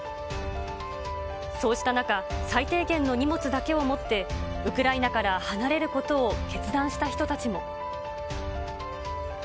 そうした中、最低限の荷物だけを持って、ウクライナから離れることを決断した人たちも。